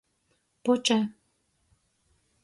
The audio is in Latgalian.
Puče.